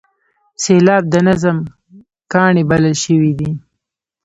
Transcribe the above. سېلاب د نظم کاڼی بلل شوی دی.